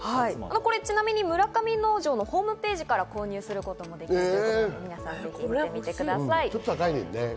これ、ちなみに村上農場のホームページから購入することもできますので、皆さん見てみてください。